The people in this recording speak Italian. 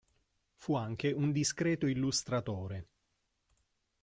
Fu anche un discreto illustratore.